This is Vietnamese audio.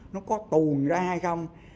nó có tùn ra hay không